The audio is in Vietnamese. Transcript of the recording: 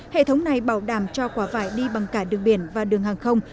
hệ thống này bảo đảm cho quả vải đi bằng cả đường biển và đường hàng không